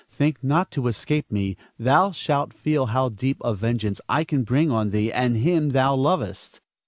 Think not to escape me, thou shalt feel how deep a vengeance I can bring on thee and him thou lovest.